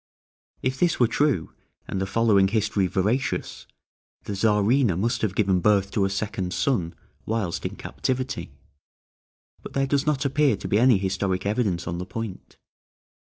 If this were true, and the following history veracious, the Czarina must have given birth to a second son whilst in captivity; but there does not appear to be any historic evidence on the point.